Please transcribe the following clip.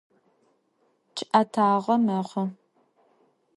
Ççı'etağe mexhu.